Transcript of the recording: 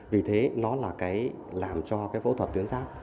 vì thế nó là cái làm cho cái phẫu thuật tuyến giáp